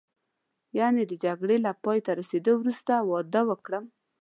یعنې د جګړې له پایته رسېدو وروسته واده وکړم.